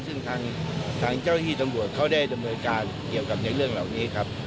ซึ่งทางเจ้าที่ตำรวจเขาได้ดำเนินการเกี่ยวกับในเรื่องเหล่านี้ครับ